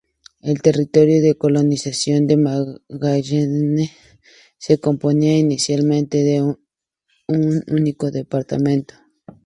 El Territorio de Colonización de Magallanes se componía inicialmente de un único departamento.